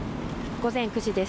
午前９時です。